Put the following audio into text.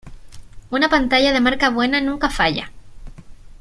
Una pantalla de marca buena nunca falla.